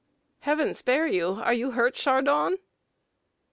'Heaven spare you! are you hurt, Chardon?'